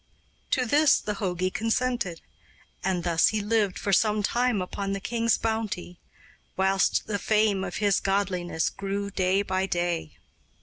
To this the jogi consented; and thus he lived for some time upon the king's bounty, whilst the fame of his godliness grew day by day.